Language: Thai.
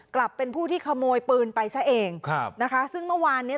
กลับเป็นผู้ที่ขโมยปืนไปซะเองครับนะคะซึ่งเมื่อวานเนี้ย